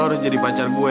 lo harus jadi pacar gue kim